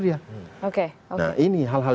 dia oke nah ini hal hal